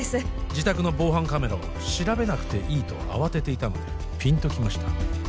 自宅の防犯カメラを調べなくていいと慌てていたのでピンときました